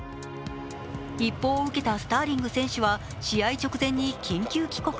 一報を受けたスターリング選手は試合直前に緊急帰国。